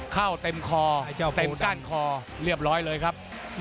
เข้าเต็มคอเต็มก้านคอเรียบร้อยเลยครับ